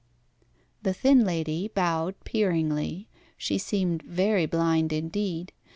The thin lady bowed peeringly. She seemed very blind indeed.